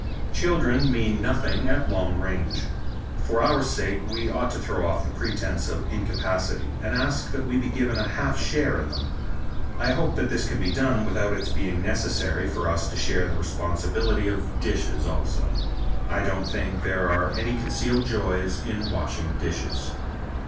Children mean nothing at long range. For our own sake we ought to throw off the pretense of incapacity and ask that we be given a half share in them. I hope that this can be done without its being necessary for us to share the responsibility of dishes also. I don't think there are any concealed joys in washing dishes.